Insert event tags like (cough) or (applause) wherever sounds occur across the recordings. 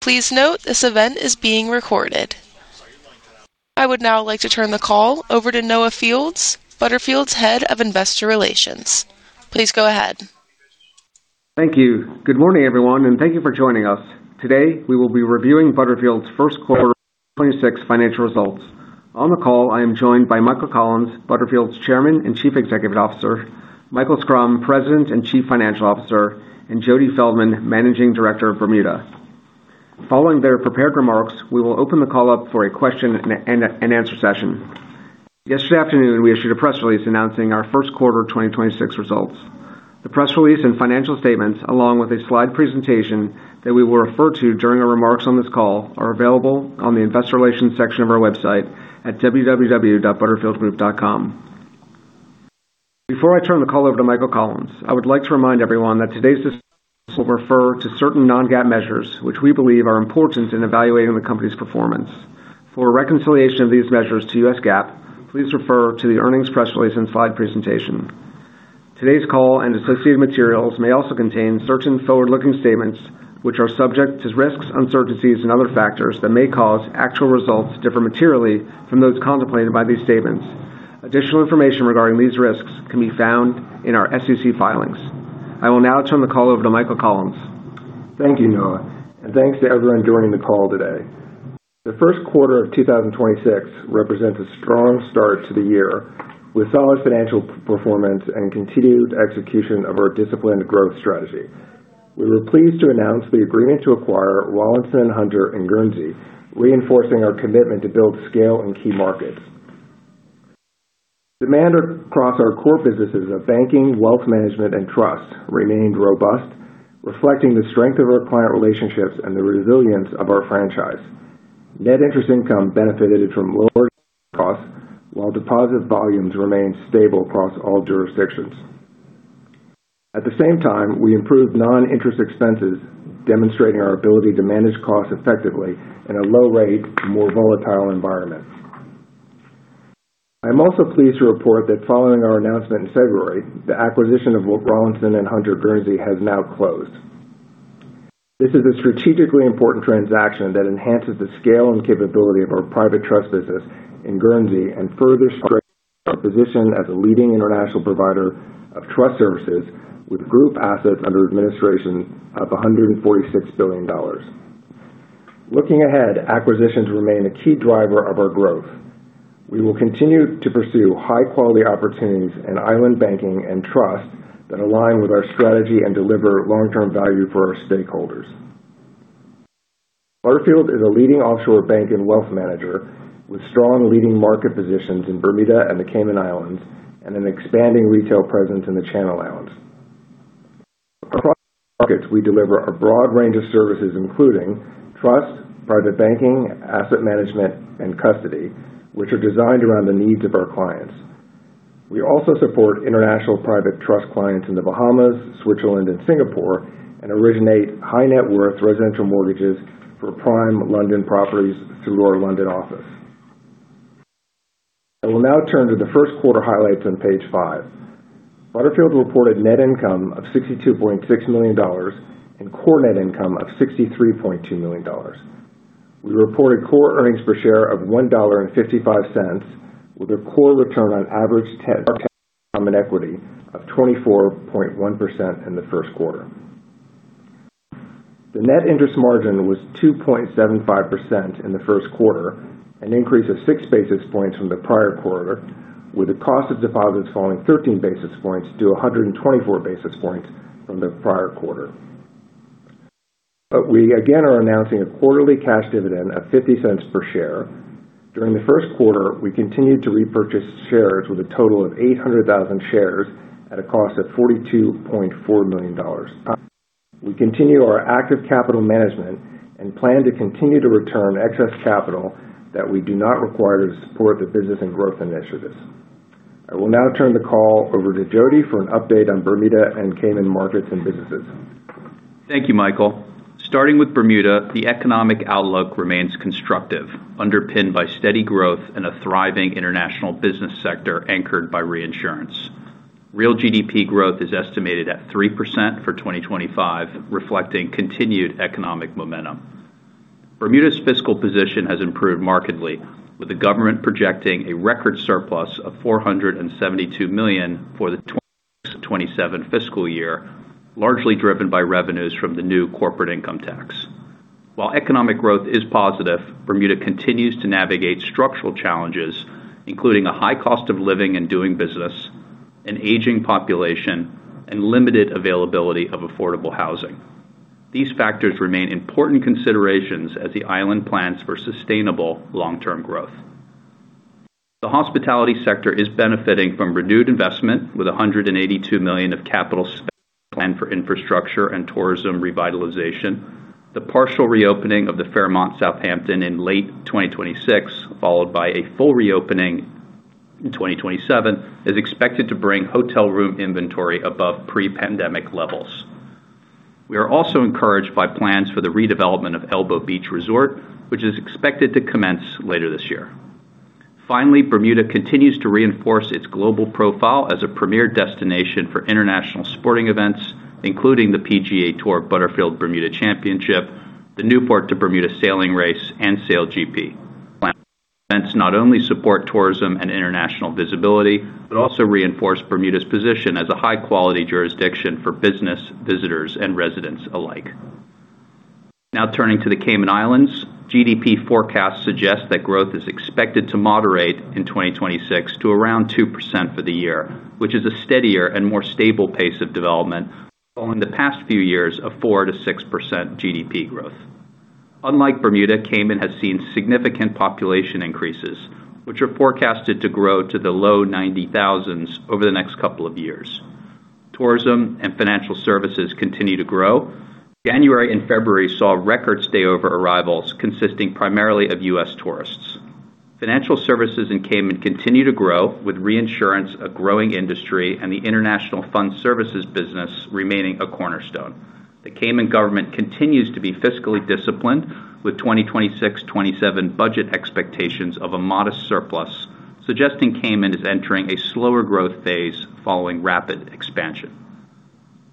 Please note this event is being recorded. I would now like to turn the call over to Noah Fields, Butterfield's Head of Investor Relations. Please go ahead. Thank you. Good morning, everyone, and thank you for joining us. Today, we will be reviewing Butterfield's Q1 2026 financial results. On the call, I am joined by Michael Collins, Butterfield's Chairman and Chief Executive Officer, Michael Schrum, President and Chief Financial Officer, and Jody Feldman, Managing Director of Bermuda. Following their prepared remarks, we will open the call up for a question and answer session. Yesterday afternoon, we issued a press release announcing our Q1 2026 results. The press release and financial statements, along with a slide presentation that we will refer to during our remarks on this call, are available on the investor relations section of our website at www.butterfieldgroup.com. Before I turn the call over to Michael Collins, I would like to remind everyone that today's discussion will refer to certain non-GAAP measures, which we believe are important in evaluating the company's performance. For a reconciliation of these measures to US GAAP, please refer to the earnings press release and slide presentation. Today's call and associated materials may also contain certain forward-looking statements which are subject to risks, uncertainties, and other factors that may cause actual results to differ materially from those contemplated by these statements. Additional information regarding these risks can be found in our SEC filings. I will now turn the call over to Michael Collins. Thank you, Noah, and thanks to everyone joining the call today. The Q1 of 2026 represents a strong start to the year with solid financial performance and continued execution of our disciplined growth strategy. We were pleased to announce the agreement to acquire Rawlinson & Hunter in Guernsey, reinforcing our commitment to build scale in key markets. Demand across our core businesses of banking, wealth management, and trust remained robust, reflecting the strength of our client relationships and the resilience of our franchise. Net interest income benefited from lower costs while deposit volumes remained stable across all jurisdictions. At the same time, we improved non-interest expenses, demonstrating our ability to manage costs effectively in a low rate, more volatile environment. I'm also pleased to report that following our announcement in February, the acquisition of Rawlinson & Hunter Guernsey has now closed. This is a strategically important transaction that enhances the scale and capability of our private trust business in Guernsey and further strengthens our position as a leading international provider of trust services with group assets under administration of $146 billion. Looking ahead, acquisitions remain a key driver of our growth. We will continue to pursue high-quality opportunities in island banking and trust that align with our strategy and deliver long-term value for our stakeholders. Butterfield is a leading offshore bank and wealth manager with strong leading market positions in Bermuda and the Cayman Islands and an expanding retail presence in the Channel Islands. Across markets, we deliver a broad range of services, including trust, private banking, asset management, and custody, which are designed around the needs of our clients. We also support international private trust clients in the Bahamas, Switzerland, and Singapore, and originate high-net-worth residential mortgages for prime London properties through our London office. I will now turn to the Q1 highlights on page five. Butterfield reported net income of $62.6 million and core net income of $63.2 million. We reported core earnings per share of $1.55, with a core return on average tangible common equity of 24.1% in the Q1. The net interest margin was 2.75% in the Q1, an increase of six basis points from the prior quarter, with the cost of deposits falling 13 basis points to 124 basis points from the prior quarter. We again are announcing a quarterly cash dividend of $0.50 per share. During the Q1, we continued to repurchase shares with a total of 800,000 shares at a cost of $42.4 million. We continue our active capital management and plan to continue to return excess capital that we do not require to support the business and growth initiatives. I will now turn the call over to Jody for an update on Bermuda and Cayman markets and businesses. Thank you, Michael. Starting with Bermuda, the economic outlook remains constructive, underpinned by steady growth in a thriving international business sector anchored by reinsurance. Real GDP growth is estimated at 3% for 2025, reflecting continued economic momentum. Bermuda's fiscal position has improved markedly, with the government projecting a record surplus of $472 million for the 2027 fiscal year, largely driven by revenues from the new corporate income tax. While economic growth is positive, Bermuda continues to navigate structural challenges, including a high cost of living and doing business, an aging population, and limited availability of affordable housing. These factors remain important considerations as the island plans for sustainable long-term growth. The hospitality sector is benefiting from renewed investment with $182 million of capital spend planned for infrastructure and tourism revitalization. The partial reopening of the Fairmont Southampton in late 2026, followed by a full reopening in 2027, is expected to bring hotel room inventory above pre-pandemic levels. We are also encouraged by plans for the redevelopment of Elbow Beach Resort, which is expected to commence later this year. Finally, Bermuda continues to reinforce its global profile as a premier destination for international sporting events, including the PGA Tour Butterfield Bermuda Championship, the Newport Bermuda Race, and SailGP. Events not only support tourism and international visibility, but also reinforce Bermuda's position as a high-quality jurisdiction for business visitors and residents alike. Now turning to the Cayman Islands, GDP forecasts suggest that growth is expected to moderate in 2026 to around 2% for the year, which is a steadier and more stable pace of development following the past few years of 4%-6% GDP growth. Unlike Bermuda, Cayman has seen significant population increases, which are forecasted to grow to the low 90,000s over the next couple of years. Tourism and financial services continue to grow. January and February saw record stay over arrivals consisting primarily of U.S. tourists. Financial services in Cayman continue to grow, with reinsurance a growing industry and the international fund services business remaining a cornerstone. The Cayman government continues to be fiscally disciplined, with 2026, 2027 budget expectations of a modest surplus, suggesting Cayman is entering a slower growth phase following rapid expansion.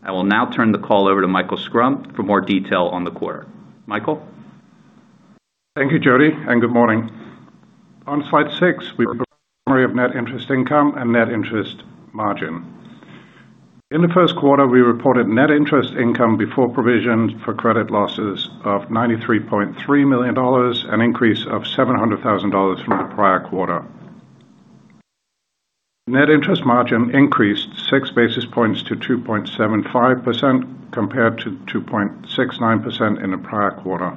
I will now turn the call over to Michael Schrum for more detail on the quarter. Michael. Thank you, Jody, and good morning. On slide six, we provide a summary of net interest income and net interest margin. In the Q1, we reported net interest income before provision for credit losses of $93.3 million, an increase of $700,000 from the prior quarter. Net interest margin increased six basis points to 2.75% compared to 2.69% in the prior quarter.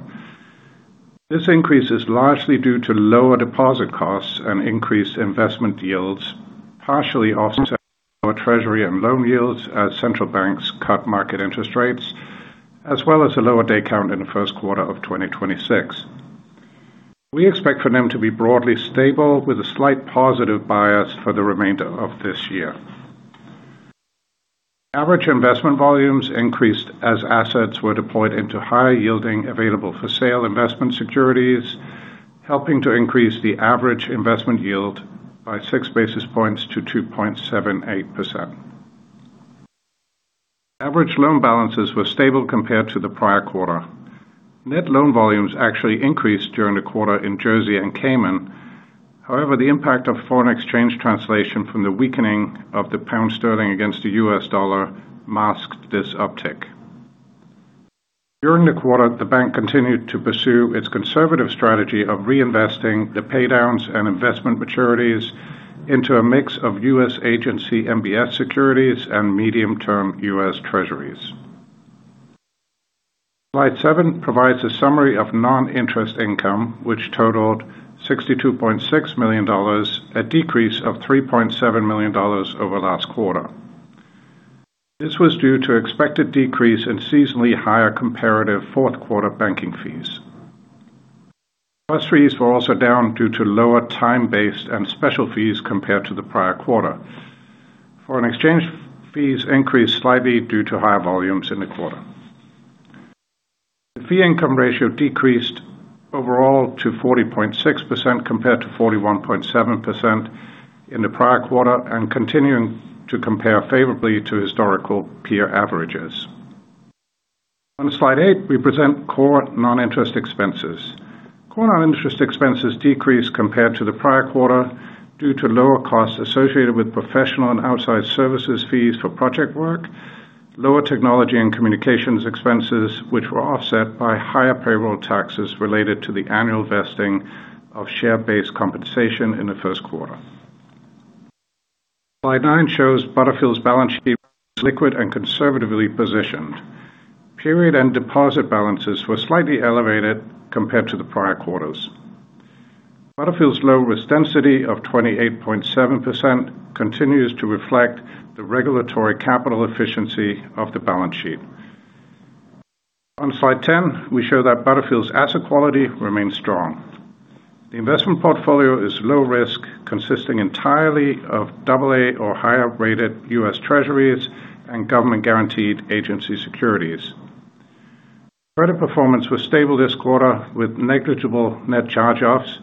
This increase is largely due to lower deposit costs and increased investment yields, partially offset by lower Treasury and loan yields as central banks cut market interest rates, as well as a lower day count in the Q1 of 2026. We expect for them to be broadly stable with a slight positive bias for the remainder of this year. Average investment volumes increased as assets were deployed into higher yielding Available-for-Sale investment securities, helping to increase the average investment yield by six basis points to 2.78%. Average loan balances were stable compared to the prior quarter. Net loan volumes actually increased during the quarter in Jersey and Cayman. The impact of foreign exchange translation from the weakening of the pound sterling against the U.S. dollar masked this uptick. During the quarter, the bank continued to pursue its conservative strategy of reinvesting the pay downs and investment maturities into a mix of U.S. agency MBS securities and medium-term U.S. Treasuries. Slide seven provides a summary of non-interest income, which totaled $62.6 million, a decrease of $3.7 million over last quarter. This was due to expected decrease in seasonally higher comparative Q4 banking fees. Fees were also down due to lower time-based and special fees compared to the prior quarter. Foreign exchange fees increased slightly due to higher volumes in the quarter. The fee income ratio decreased overall to 40.6% compared to 41.7% in the prior quarter and continuing to compare favorably to historical peer averages. On slide eight, we present core non-interest expenses. Core non-interest expenses decreased compared to the prior quarter due to lower costs associated with professional and outside services fees for project work, lower technology and communications expenses, which were offset by higher payroll taxes related to the annual vesting of share-based compensation in the Q1. Slide nine shows Butterfield's balance sheet remains liquid and conservatively positioned. Period and deposit balances were slightly elevated compared to the prior quarters. Butterfield's low-risk density of 28.7% continues to reflect the regulatory capital efficiency of the balance sheet. On slide 10, we show that Butterfield's asset quality remains strong. The investment portfolio is low risk, consisting entirely of double A or higher-rated US Treasuries and government-guaranteed agency securities. Credit performance was stable this quarter with negligible net charge-offs,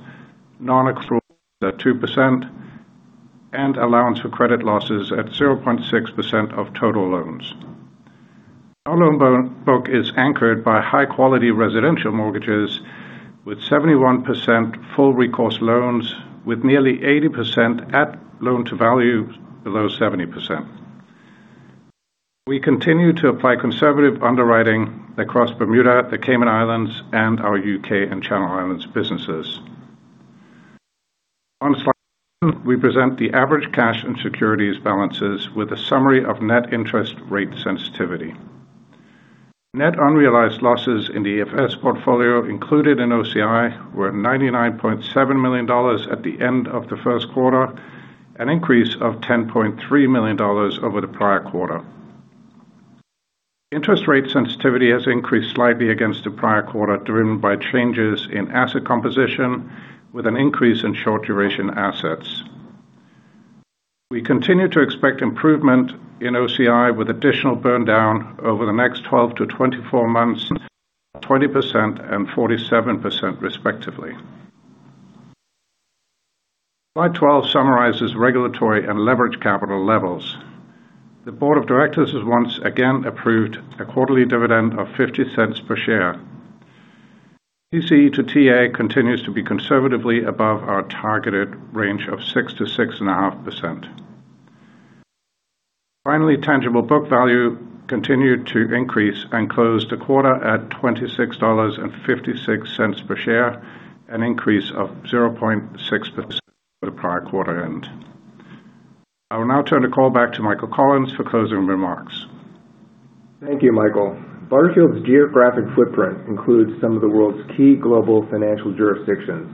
non-accrual at 2%, and allowance for credit losses at 0.6% of total loans. Our loan book is anchored by high-quality residential mortgages with 71% full recourse loans, with nearly 80% at loan-to-value below 70%. We continue to apply conservative underwriting across Bermuda, the Cayman Islands, and our U.K. and Channel Islands businesses. On slide 11, we present the average cash and securities balances with a summary of net interest rate sensitivity. Net unrealized losses in the AFS portfolio included in OCI were $99.7 million at the end of the Q1, an increase of $10.3 million over the prior quarter. Interest rate sensitivity has increased slightly against the prior quarter, driven by changes in asset composition with an increase in short-duration assets. We continue to expect improvement in OCI with additional burn down over the next 12 to 24 months, 20% and 47% respectively. Slide 12 summarizes regulatory and leverage capital levels. The board of directors has once again approved a quarterly dividend of $0.50 per share. TCE to TA continues to be conservatively above our targeted range of 6% to 6.5%. Finally, tangible book value continued to increase and closed the quarter at $26.56 per share, an increase of 0.6% from the prior quarter end. I will now turn the call back to Michael Collins for closing remarks. Thank you, Michael. Butterfield's geographic footprint includes some of the world's key global financial jurisdictions,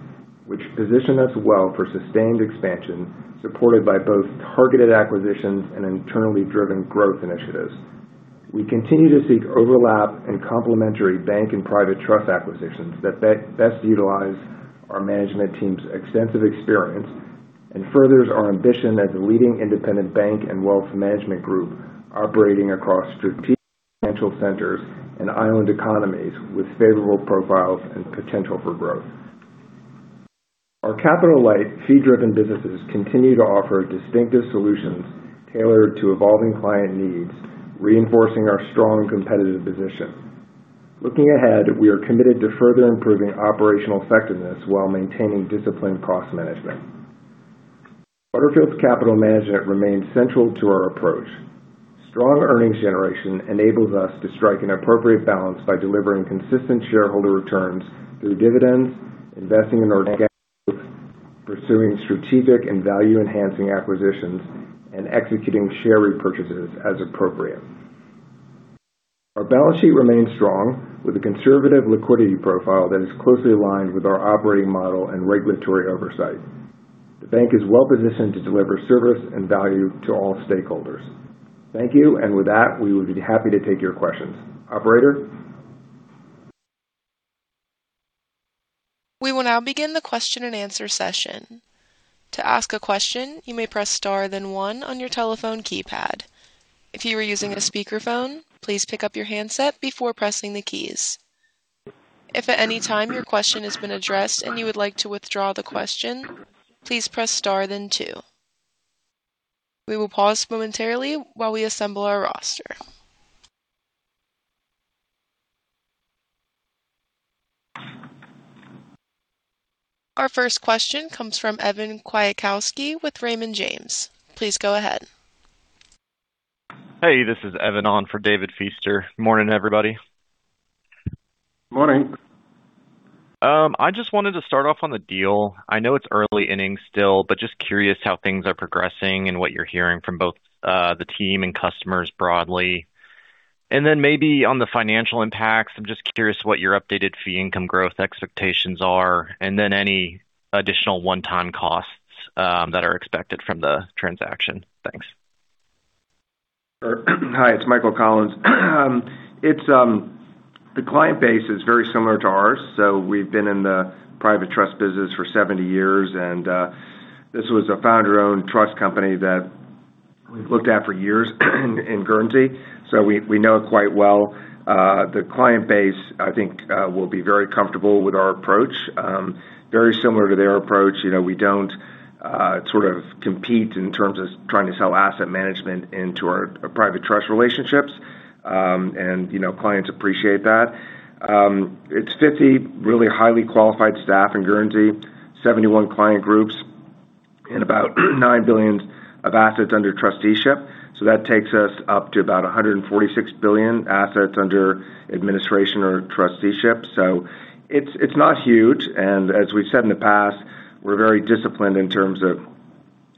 which position us well for sustained expansion, supported by both targeted acquisitions and internally driven growth initiatives. We continue to seek overlap and complementary bank and private trust acquisitions that best utilize our management team's extensive experience and furthers our ambition as a leading independent bank and wealth management group operating across strategic financial centers and island economies with favorable profiles and potential for growth. Our capital-light fee-driven businesses continue to offer distinctive solutions tailored to evolving client needs, reinforcing our strong competitive position. Looking ahead, we are committed to further improving operational effectiveness while maintaining disciplined cost management. Butterfield's capital management remains central to our approach. Strong earnings generation enables us to strike an appropriate balance by delivering consistent shareholder returns through dividends, investing in organic growth, pursuing strategic and value-enhancing acquisitions, and executing share repurchases as appropriate. Our balance sheet remains strong with a conservative liquidity profile that is closely aligned with our operating model and regulatory oversight. The bank is well-positioned to deliver service and value to all stakeholders. Thank you. With that, we would be happy to take your questions. Operator. We will now begin the question-and-answer session. To ask a question, you may press star then one on your telephone keypad. If you are using a speakerphone, please pick up your handset before pressing the keys. If at any time your question has been addressed and you would like to withdraw the question, please press star then two. We will pause momentarily while we assemble our roster. Our first question comes from Evan Kwiatkowski with Raymond James. Please go ahead. Hey, this is Evan on for David Feaster. Morning, everybody. Morning. I just wanted to start off on the deal. I know it's early innings still, but just curious how things are progressing and what you're hearing from both the team and customers broadly. Maybe on the financial impacts, I'm just curious what your updated fee income growth expectations are and then any additional one-time costs that are expected from the transaction. Thanks. Sure. Hi, it's Michael Collins. It's. The client base is very similar to ours, we've been in the private trust business for 70 years and this was a founder-owned trust company that we've looked at for years in Guernsey. We know it quite well. The client base, I think, will be very comfortable with our approach. Very similar to their approach. You know, we don't sort of compete in terms of trying to sell asset management into our private trust relationships. You know, clients appreciate that. It's 50 really highly qualified staff in Guernsey, 71 client groups and about $9 billion of assets under trusteeship. That takes us up to about $146 billion assets under administration or trusteeship. It's not huge. As we've said in the past, we're very disciplined in terms of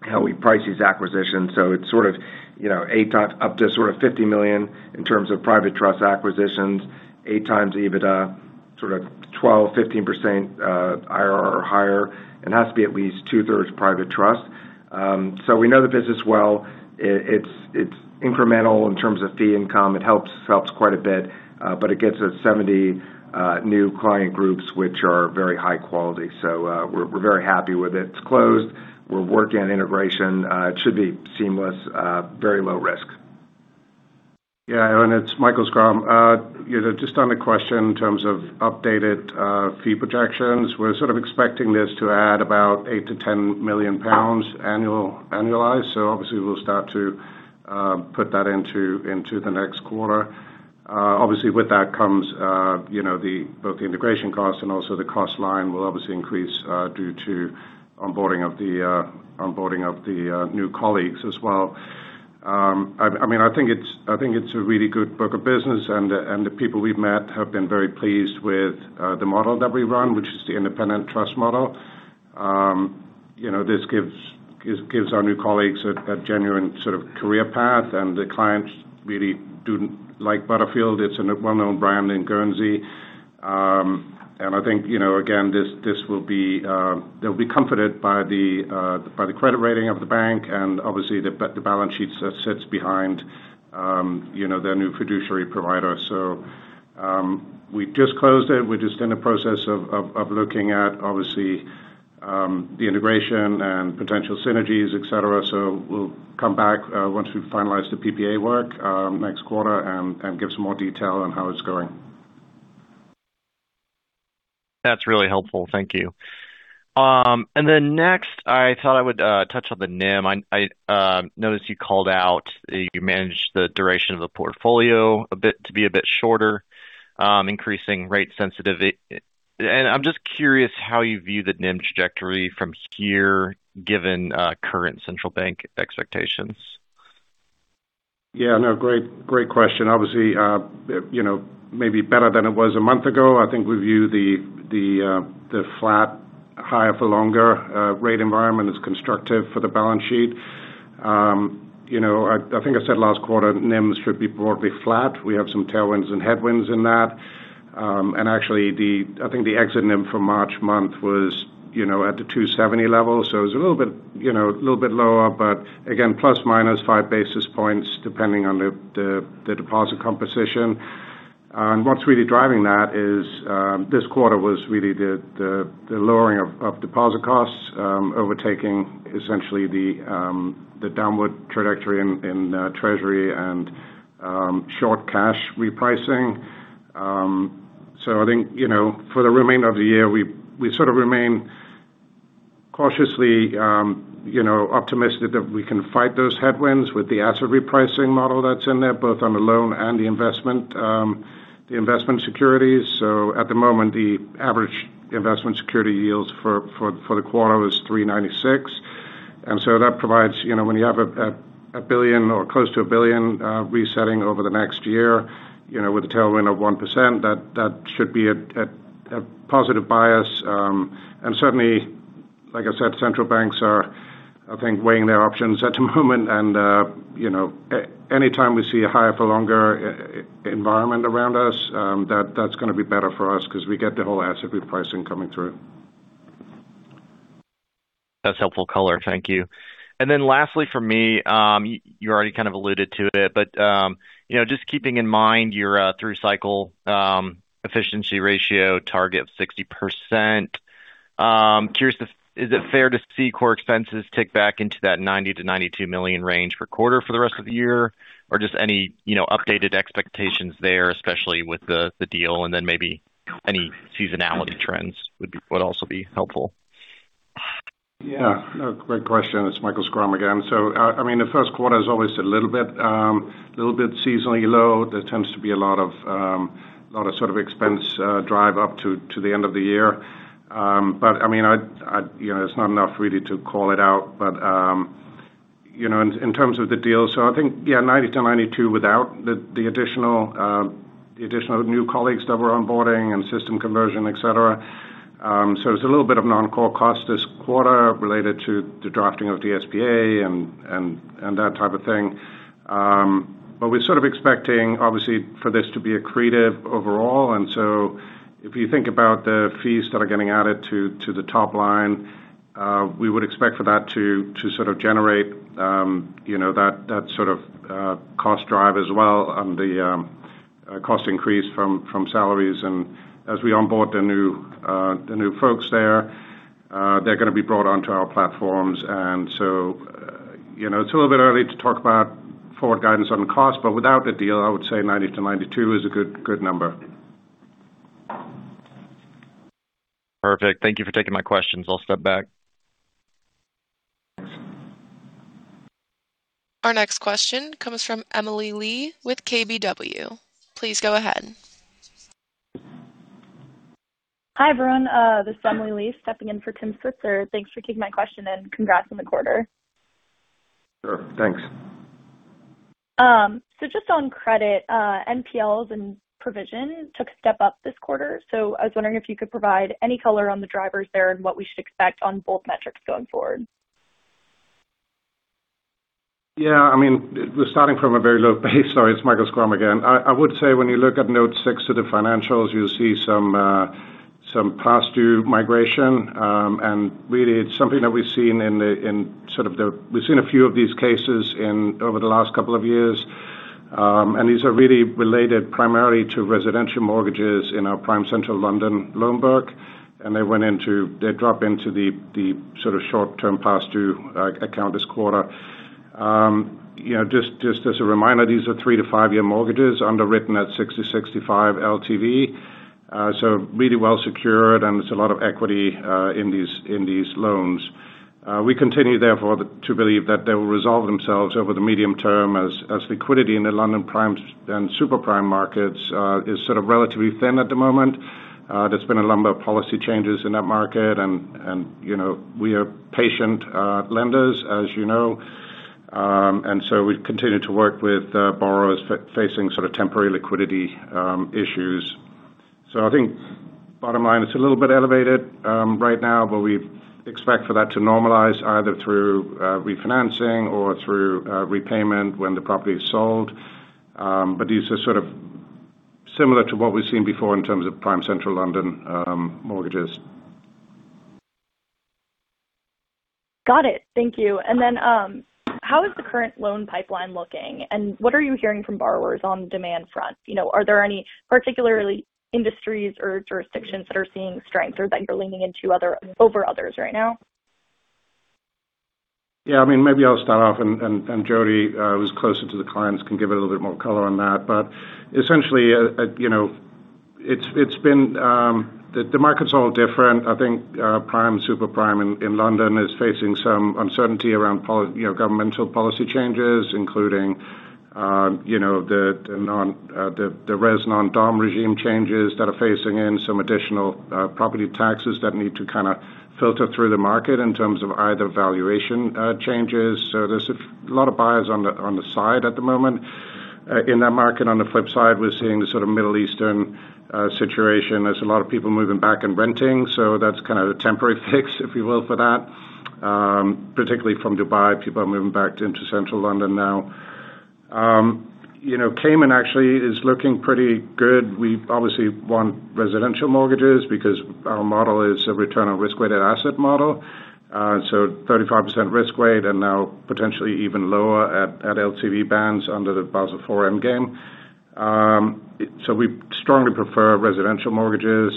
how we price these acquisitions. It's sort of, you know, eight times up to sort of $50 million in terms of private trust acquisitions, eight times EBITDA, sort of 12%-15% IRR or higher. It has to be at least two-thirds private trust. We know the business well. It's incremental in terms of fee income. It helps quite a bit, but it gets us 70 new client groups, which are very high quality. We're very happy with it. It's closed. We're working on integration. It should be seamless, very low risk. Yeah. Evan, it's Michael Schrum. You know, just on the question in terms of updated fee projections, we're sort of expecting this to add about 8 million-10 million pounds annual, annualized. Obviously we'll start to put that into the next quarter. Obviously with that comes, you know, both the integration cost and also the cost line will obviously increase due to onboarding of the new colleagues as well. I mean, I think it's a really good book of business, and the people we've met have been very pleased with the model that we run, which is the independent trust model. You know, this gives our new colleagues a genuine sort of career path, and the clients really do like Butterfield. It's a well-known brand in Guernsey. I think, again, this will be, they'll be comforted by the credit rating of the bank and obviously the balance sheets that sits behind their new fiduciary provider. We just closed it. We're just in the process of looking at obviously the integration and potential synergies, et cetera. We'll come back, once we finalize the PPA work, next quarter and give some more detail on how it's going. That's really helpful. Thank you. Then next, I thought I would touch on the NIM. I noticed you called out that you managed the duration of the portfolio to be a bit shorter, increasing rate sensitivity. I'm just curious how you view the NIM trajectory from here, given current central bank expectations. Yeah, no, great question. Obviously, you know, maybe better than it was a month ago. I think we view the flat higher for longer rate environment as constructive for the balance sheet. You know, I think I said last quarter, NIMs should be broadly flat. We have some tailwinds and headwinds in that. Actually, I think the exit NIM for March month was, you know, at the 270 level. It was a little bit, you know, a little bit lower, but again, plus minus five basis points, depending on the deposit composition. What's really driving that is this quarter was really the lowering of deposit costs overtaking essentially the downward trajectory in treasury and short cash repricing. I think, you know, for the remainder of the year, we sort of remain cautiously, you know, optimistic that we can fight those headwinds with the asset repricing model that's in there, both on the loan and the investment, the investment securities. At the moment, the average investment security yields for the quarter was 3.96%. That provides, you know, when you have $1 billion or close to $1 billion resetting over the next year, you know, with a tailwind of 1%, that should be a positive bias. Certainly, like I said, central banks are, I think, weighing their options at the moment. You know, anytime we see a higher for longer environment around us, that's gonna be better for us 'cause we get the whole asset repricing coming through. That's helpful color. Thank you. And then lastly from me, you already kind of alluded to it, but, you know, just keeping in mind your through cycle, efficiency ratio target of 60%, curious if is it fair to see core expenses tick back into that $90 million-$92 million range per quarter for the rest of the year? Or just any, you know, updated expectations there, especially with the deal, and then maybe any seasonality trends would also be helpful. Yeah. No, great question. It's Michael Schrum again. I mean, the Q1 is always a little bit seasonally low. There tends to be a lot of sort of expense drive up to the end of the year. I mean, you know, it's not enough really to call it out. You know, in terms of the deal, I think, yeah, 90-92 without the additional new colleagues that we're onboarding and system conversion, et cetera. It's a little bit of non-core cost this quarter related to the drafting of the SPA and that type of thing. We're sort of expecting obviously for this to be accretive overall. If you think about the fees that are getting added to the top line, we would expect for that to sort of generate, you know, that sort of cost drive as well and the cost increase from salaries. As we onboard the new folks there, they're gonna be brought onto our platforms. You know, it's a little bit early to talk about forward guidance on the cost, but without the deal, I would say $90-$92 is a good number. Perfect. Thank you for taking my questions. I'll step back. Our next question comes from Emily Lee with KBW. Please go ahead. Hi, everyone. This is Emily Lee stepping in for. (inaudible) Thanks for taking my question, and congrats on the quarter. Sure. Thanks. Just on credit, NPLs and provision took step up this quarter. I was wondering if you could provide any color on the drivers there and what we should expect on both metrics going forward. Yeah, I mean, we're starting from a very low base. Sorry, it's Michael Schrum again. I would say when you look at note six of the financials, you'll see some past due migration. Really it's something that we've seen in sort of the, we've seen a few of these cases over the last couple of years. These are really related primarily to residential mortgages in our prime central London loan book. They went into, they drop into the sort of short-term past due account this quarter. You know, just as a reminder, these are three to five year mortgages underwritten at 60, 65 LTV. So really well secured, and there's a lot of equity in these loans. We continue therefore to believe that they will resolve themselves over the medium term as liquidity in the London prime and super prime markets is sort of relatively thin at the moment. There's been a number of policy changes in that market, and, you know, we are patient lenders, as you know. We continue to work with borrowers facing sort of temporary liquidity issues. I think bottom line, it's a little bit elevated right now, but we expect for that to normalize either through refinancing or through repayment when the property is sold. These are sort of similar to what we've seen before in terms of prime central London mortgages. Got it. Thank you. Then, how is the current loan pipeline looking, and what are you hearing from borrowers on demand front? You know, are there any particular industries or jurisdictions that are seeing strength or that you're leaning into over others right now? Yeah, I mean, maybe I'll start off and Jody Feldman, who's closer to the clients can give it a little bit more color on that. Essentially, you know, it's been the market's all different. I think prime, super prime in London is facing some uncertainty around you know, governmental policy changes, including, you know, the non-dom regime changes that are facing in some additional property taxes that need to kinda filter through the market in terms of either valuation changes. There's a lot of buyers on the side at the moment. In that market, on the flip side, we're seeing the sort of Middle Eastern situation. There's a lot of people moving back and renting, so that's kind of a temporary fix, if you will, for that. Particularly from Dubai, people are moving back into central London now. You know, Cayman actually is looking pretty good. We obviously want residential mortgages because our model is a return on risk-weighted asset model. So 35% risk weight and now potentially even lower at LTV bands under the Basel IV endgame. So we strongly prefer residential mortgages.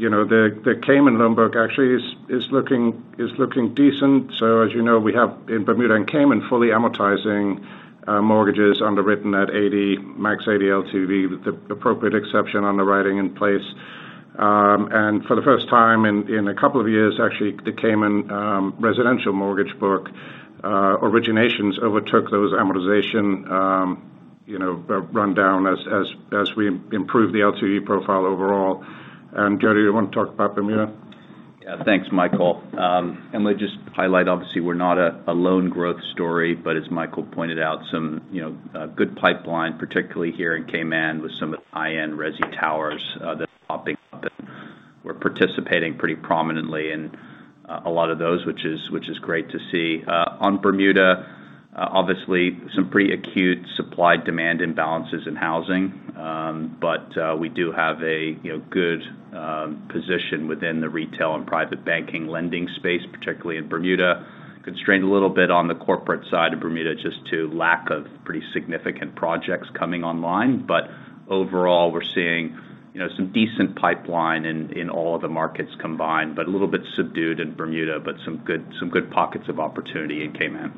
You know, the Cayman loan book actually is looking decent. So as you know, we have in Bermuda and Cayman fully amortizing mortgages underwritten at 80, max 80 LTV with the appropriate exception underwriting in place. For the first time in a couple of years, actually, the Cayman residential mortgage book, originations overtook those amortization, you know, rundown as we improve the LTV profile overall. Jody, you wanna talk about Bermuda? Thanks, Michael. Let me just highlight, obviously, we're not a loan growth story, but as Michael pointed out, some, you know, good pipeline, particularly here in Cayman with some of the high-end resi towers that are popping up, and we're participating pretty prominently in a lot of those, which is great to see. On Bermuda, obviously some pretty acute supply-demand imbalances in housing. We do have a, you know, good position within the retail and private banking lending space, particularly in Bermuda. Constrained a little bit on the corporate side of Bermuda just to lack of pretty significant projects coming online. Overall, we're seeing, you know, some decent pipeline in all of the markets combined, but a little bit subdued in Bermuda, but some good pockets of opportunity in Cayman.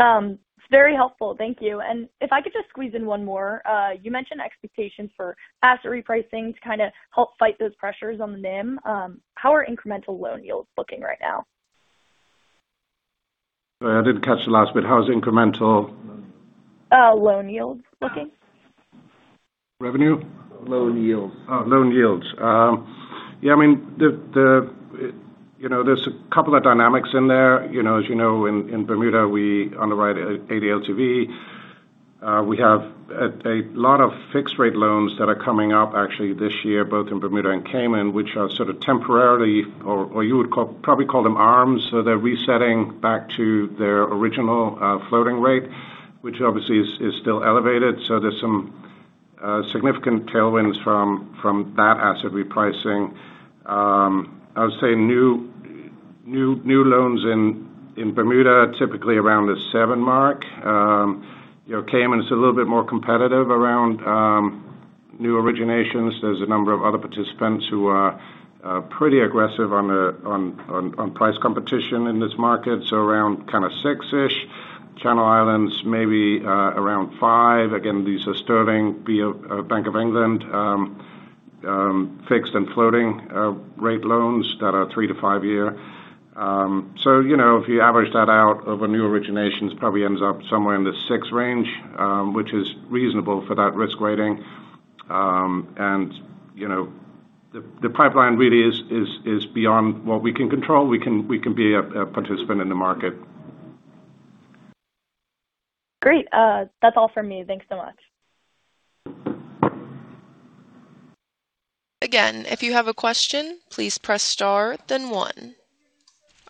It's very helpful. Thank you. If I could just squeeze in one more. You mentioned expectations for asset repricing to kinda help fight those pressures on the NIM. How are incremental loan yields looking right now? Sorry, I didn't catch the last bit. How is incremental- loan yield looking. Revenue? Loan yields. Loan yields. Yeah, I mean, the, you know, there's a couple of dynamics in there. You know, as you know, in Bermuda, we underwrite 80 LTV. We have a lot of fixed rate loans that are coming up actually this year, both in Bermuda and Cayman, which are sort of temporarily or you would probably call them ARMs. They're resetting back to their original floating rate, which obviously is still elevated. There's some significant tailwinds from that asset repricing. I would say new loans in Bermuda are typically around the seven mark. You know, Cayman is a little bit more competitive around new originations. There's a number of other participants who are pretty aggressive on price competition in this market. Around kind of six-ish. Channel Islands maybe, around five. Again, these are sterling be, Bank of England, fixed and floating, rate loans that are three to five year. You know, if you average that out over new originations, probably ends up somewhere in the six range, which is reasonable for that risk rating. And, you know, the pipeline really is beyond what we can control. We can be a participant in the market. Great. That's all for me. Thanks so much. Again, if you have a question, please press star then one.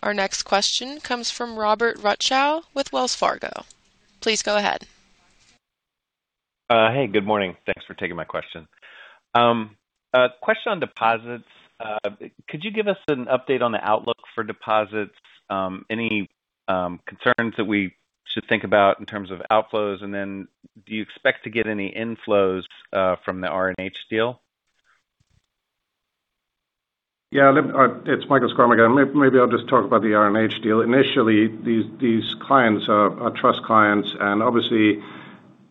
Our next question comes from Robert Rutschow with Wells Fargo. Please go ahead. Hey, good morning. Thanks for taking my question. A question on deposits. Could you give us an update on the outlook for deposits? Any concerns that we should think about in terms of outflows? Do you expect to get any inflows from the R&H deal? Yeah. It's Michael Schrum again. Maybe I'll just talk about the R&H deal. Initially, these clients are trust clients, and obviously,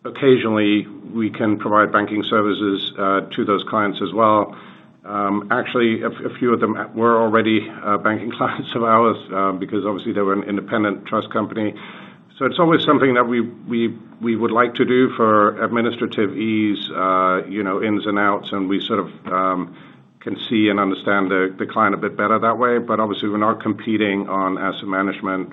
occasionally, we can provide banking services to those clients as well. Actually, a few of them were already banking clients of ours, because obviously they were an independent trust company. It's always something that we would like to do for administrative ease, you know, ins and outs, and we sort of can see and understand the client a bit better that way. Obviously, we're not competing on asset management,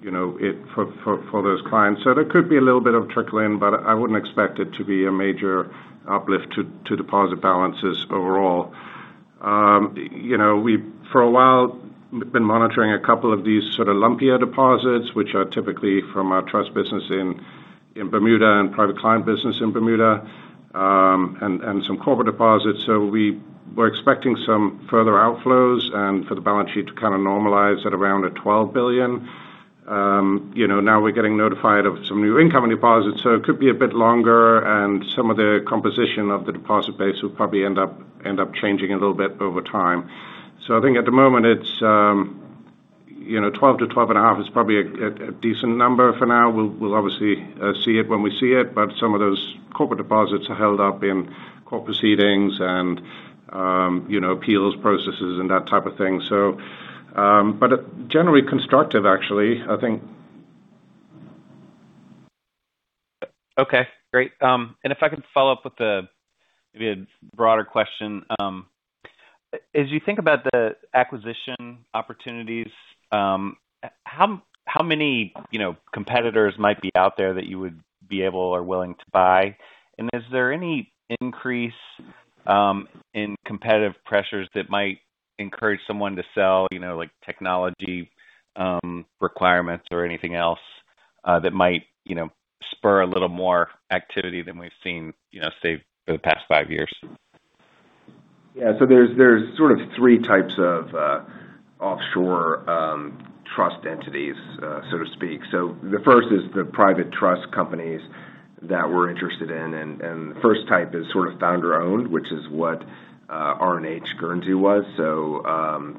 you know, for those clients. There could be a little bit of trickle in, but I wouldn't expect it to be a major uplift to deposit balances overall. You know, we've, for a while, been monitoring a couple of these sort of lumpier deposits, which are typically from our trust business in. In Bermuda and private client business in Bermuda, and some corporate deposits. We were expecting some further outflows and for the balance sheet to kind of normalize at around a $12 billion. You know, now we're getting notified of some new income and deposits, so it could be a bit longer, and some of the composition of the deposit base will probably end up changing a little bit over time. I think at the moment it's, you know, $12 billion-$12.5 billion is probably a decent number for now. We'll obviously see it when we see it, but some of those corporate deposits are held up in court proceedings and, you know, appeals processes and that type of thing. Generally constructive actually, I think. Okay, great. If I could follow up with a, maybe a broader question. As you think about the acquisition opportunities, how many, you know, competitors might be out there that you would be able or willing to buy? Is there any increase in competitive pressures that might encourage someone to sell, you know, like technology requirements or anything else that might, you know, spur a little more activity than we've seen, you know, say, for the past five years? Yeah. There's sort of three types of offshore trust entities, so to speak. The first is the private trust companies that we're interested in. And the first type is sort of founder-owned, which is what R&H Guernsey was.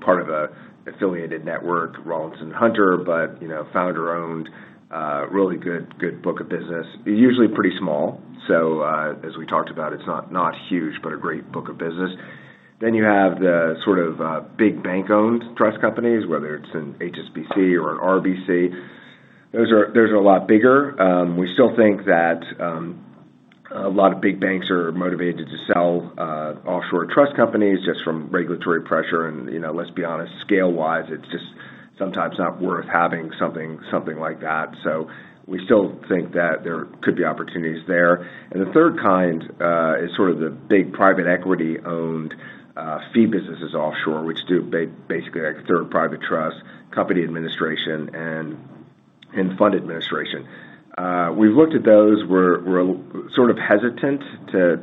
Part of a affiliated network, Rawlinson & Hunter, but, you know, founder-owned, really good book of business. Usually pretty small. As we talked about, it's not huge, but a great book of business. You have the sort of big bank-owned trust companies, whether it's an HSBC or an RBC. Those are a lot bigger. We still think that a lot of big banks are motivated to sell offshore trust companies just from regulatory pressure. You know, let's be honest, scale-wise, it's just sometimes not worth having something like that. We still think that there could be opportunities there. The third kind is sort of the big private equity-owned fee businesses offshore, which do basically like third-party trust, company administration, and fund administration. We've looked at those. We're sort of hesitant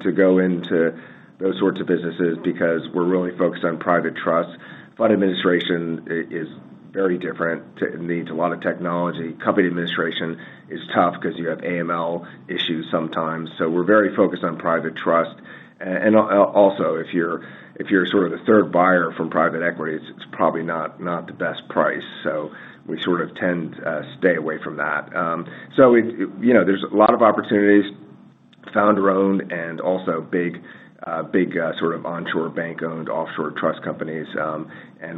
to go into those sorts of businesses because we're really focused on private trust. Fund administration is very different. It needs a lot of technology. Company administration is tough because you have AML issues sometimes. We're very focused on private trust. And also, if you're sort of the third buyer from private equity, it's probably not the best price. We sort of tend to stay away from that. You know, there's a lot of opportunities, founder-owned and also big sort of onshore bank-owned offshore trust com panies.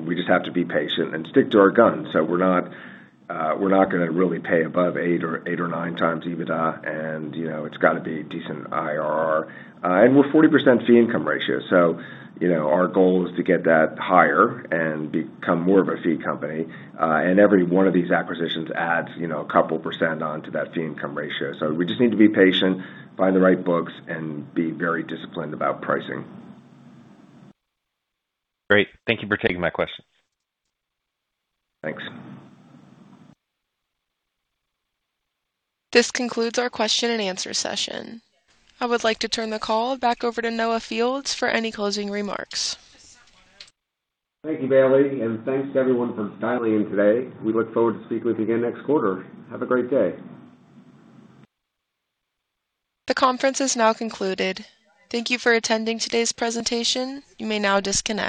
We just have to be patient and stick to our guns. We're not gonna really pay above eight or nine times EBITDA, and, you know, it's got to be decent IRR. We're 40% fee income ratio. You know, our goal is to get that higher and become more of a fee company. Every one of these acquisitions adds, you know, a couple percent onto that fee income ratio. We just need to be patient, find the right books, and be very disciplined about pricing. Great. Thank you for taking my question. Thanks. This concludes our question and answer session. I would like to turn the call back over to Noah Fields for any closing remarks. Thank you, Bailey. Thanks to everyone for dialing in today. We look forward to speaking with you again next quarter. Have a great day. The conference is now concluded. Thank you for attending today's presentation. You may now disconnect.